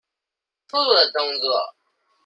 粗魯的動作